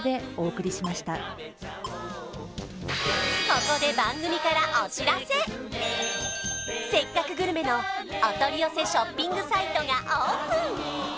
ここでせっかくグルメのお取り寄せショッピングサイトがオープン